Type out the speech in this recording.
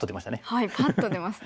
はいパッと出ますね。